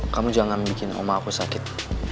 kamu jangan bikin oma aku sakit